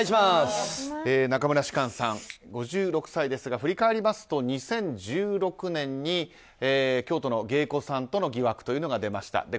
中村芝翫さん、５６歳ですが振り返りますと２０１６年に京都の芸妓さんとの疑惑が出ました。